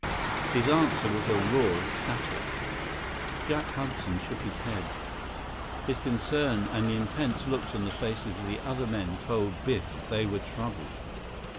His answer was a roar of static. Jack Hudson shook his head. His concern and the intense looks on the faces of the other men told Biff they were troubled.